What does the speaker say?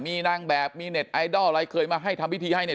มีนางแบบมีเน็ตไอดอลอะไรเคยมาให้ทำพิธีให้เนี่ย